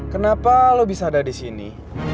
kenapa lo bisa ada di sini